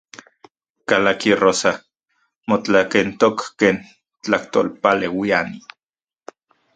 Kalaki Rosa, motlakentok ken tlajtolpaleuiani.